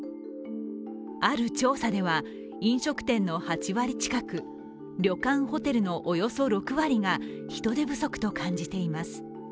ある調査では飲食店の８割近く旅館・ホテルのおよそ６割が人手不足と感じています。